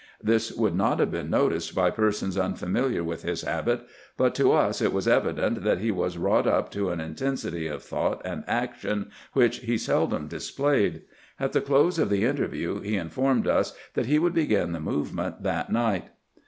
This would not have been noticed by persons unfamiliar with his habit ; but to us it was evident that he was wrought up to an intensity of 190 CAMPAIGNING WITH GRANT thought and action which he seldom displayed. At the close of the interview he informed us that he wotdd begin the movement that night.